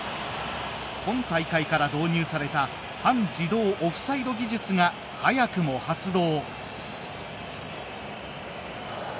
今大会から導入された半自動オフサイド技術が早くも発動。